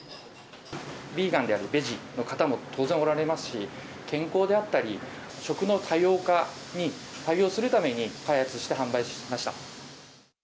ビーガンであったり、ベジの方も当然おられますし、健康であったり、食の多様化に対応するために開発して販売しました。